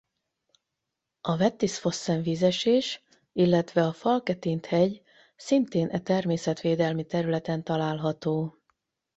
A Vettisfossen-vízesés illetve a Falketind-hegy szintén e természetvédelmi területen található.